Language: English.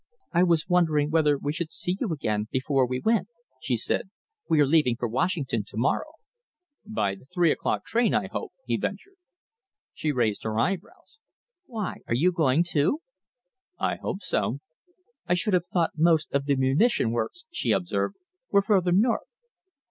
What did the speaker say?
"I was wondering whether we should see you again before we went," she said. "We are leaving for Washington to morrow." "By the three o'clock train, I hope?" he ventured. She raised her eyebrows. "Why, are you going, too?" "I hope so." "I should have thought most of the munition works," she observed, "were further north."